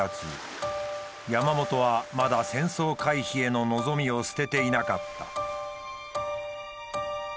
山本はまだ戦争回避への望みを捨てていなかった。